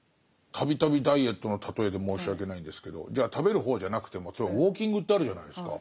度々ダイエットの例えで申し訳ないんですけど食べる方じゃなくても例えばウォーキングってあるじゃないですか。